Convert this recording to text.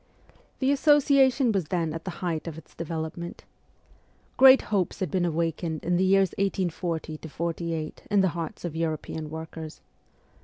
The Association was then at the height of its development. Great hopes had been awakened in the FIRST JOURNEY ABROAD 53 years 1840 48 in the hearts of European workers.